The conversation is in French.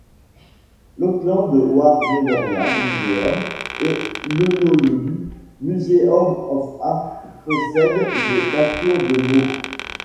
L'Auckland War Memorial Museum et l'Honolulu Museum of Art possèdent des peintures de Moore.